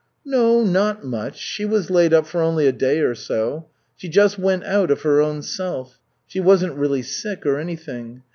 "No, not much, she was laid up for only a day or so. She just went out, of her own self. She wasn't really sick or anything.